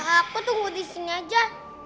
aku tunggu disini aja